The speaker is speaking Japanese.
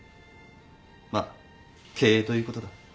まあ経営ということだ。